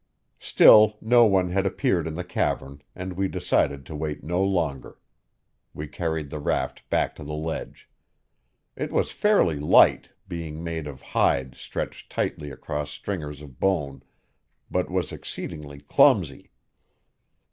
Still no one had appeared in the cavern, and we decided to wait no longer. We carried the raft back to the ledge. It was fairly light, being made of hide stretched tightly across stringers of bone, but was exceedingly clumsy.